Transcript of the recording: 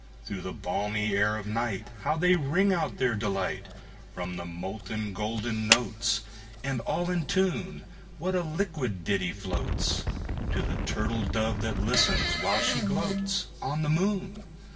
Through the balmy air of nightHow they ring out their delight! From the molten golden notes, And all in tune, What a liquid ditty floatsTo the turtle dove that listens, while she gloatsOn the moon!